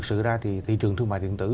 sang thị trường eu